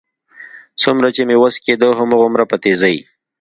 څومره چې مې وس کېده، هغومره په تېزۍ.